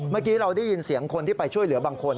เมื่อกี้เราได้ยินเสียงคนที่ไปช่วยเหลือบางคน